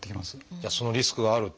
じゃあそのリスクがあると。